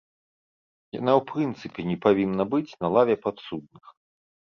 Яна ў прынцыпе не павінна быць на лаве падсудных.